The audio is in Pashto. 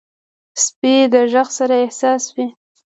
سپي د غږ سره حساس وي.